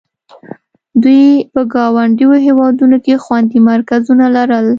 دوی په ګاونډیو هېوادونو کې خوندي مرکزونه لرل.